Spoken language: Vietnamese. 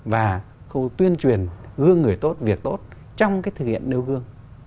và khâu tuyên truyền gương người tốt việc tốt trong cái thực hiện nêu gương